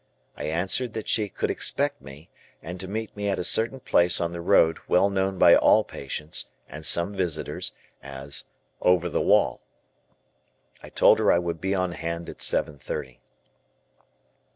I answered that she could expect me and to meet me at a certain place on the road well known by all patients, and some visitors, as "Over the wall." I told her I would be on hand at seven thirty.